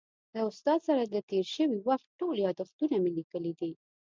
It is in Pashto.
له استاد سره د تېر شوي وخت ټول یادښتونه مې لیکلي دي.